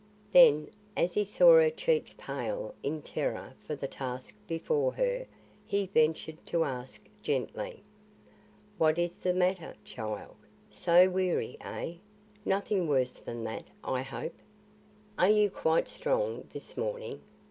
Then, as he saw her cheeks pale in terror of the task before her, he ventured to ask gently: "What is the matter, child? So weary, eh? Nothing worse than that, I hope." "Are you quite strong this morning?